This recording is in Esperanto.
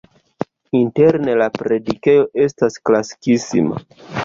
Interne la predikejo estas klasikisma.